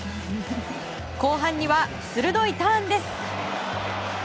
後半には鋭いターンです。